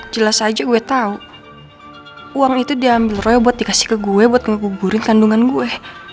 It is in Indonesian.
jelas aja gue tahu uang itu diambil roy buat dikasih ke gue buat ngeguburin kandungan gue